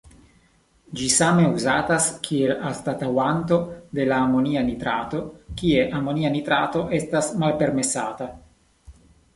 Ĝi same uzatas kiel anstataŭanto de la amonia nitrato, kie amonia nitrato estas malpermesata.